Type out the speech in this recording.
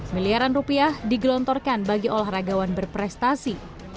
miliaran rupiah digelontorkan bagi olahragawan berprestasi